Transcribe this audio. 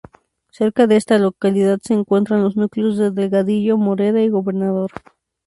Cerca de esta localidad se encuentran los núcleos de Delgadillo, Moreda y Gobernador.